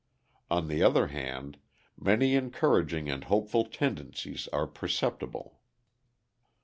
On the other hand, many encouraging and hopeful tendencies are perceptible.